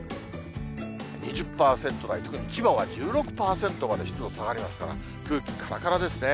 ２０％台と、特に千葉は１６％まで、湿度下がりますから、空気からからですね。